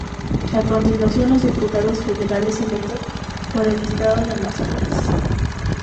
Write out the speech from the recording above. A continuación los diputados federales electos por el Estado de Amazonas.